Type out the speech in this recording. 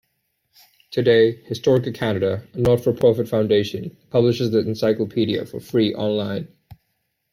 Today, Historica Canada, a not-for-profit foundation, publishes the encyclopedia for free online.